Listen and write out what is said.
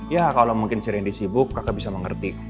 ya kalau si randy sibuk kakak bisa mengerti